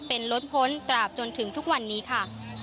เป็นล้นพ้นตราบจนถึงทุกวันนี้ค่ะ